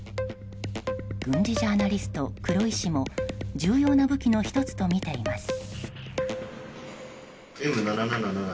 軍事ジャーナリスト、黒井氏も重要な武器の１つとみています。